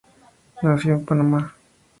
Nació en Panamá.